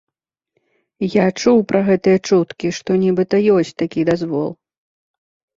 Я чуў пра гэтыя чуткі, што нібыта ёсць такі дазвол.